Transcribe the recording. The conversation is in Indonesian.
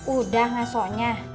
udah nggak soalnya